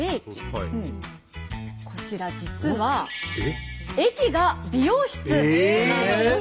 こちら実は駅が美容室なんです。